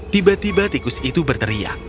tiba tiba tikus itu berteriak